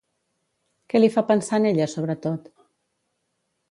Què li fa pensar en ella sobretot?